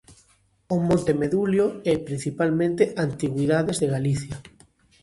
"O Monte Medulio" e, principalmente, "Antigüidades de Galicia".